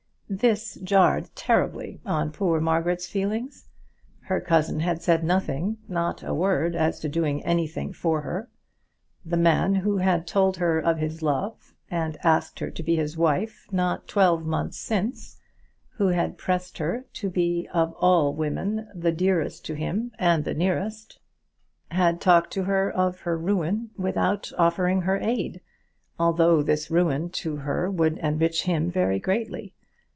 This jarred terribly on poor Margaret's feelings. Her cousin had said nothing, not a word as to doing anything for her. The man who had told her of his love, and asked her to be his wife, not twelve months since, who had pressed her to be of all women the dearest to him and the nearest, had talked to her of her ruin without offering her aid, although this ruin to her would enrich him very greatly.